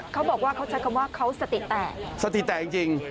เขาบอกว่าเขาใช้คำว่าเขาสติแตกสติแตกจริง